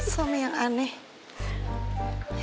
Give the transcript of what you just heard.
suami yang aneh